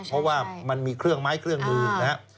เพราะว่ามันมีเครื่องไม้เครื่องมือนะครับ